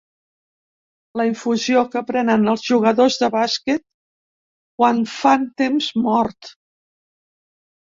La infusió que prenen els jugadors de bàsquet quan fan temps mort.